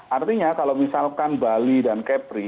artinya kalau misalkan bali dan kepri